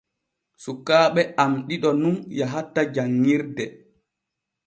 Sukaaɓe am ɗiɗo nun yahata janŋirde.